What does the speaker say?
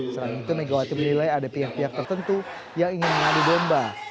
selain itu megawati menilai ada pihak pihak tertentu yang ingin mengadu domba